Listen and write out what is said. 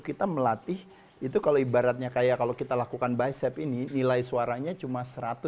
kita melatih itu kalau ibaratnya kayak kalau kita lakukan bicep ini nilai suaranya cuma satu ratus sepuluh